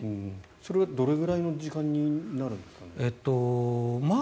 それはどれぐらいの時間になるんですか？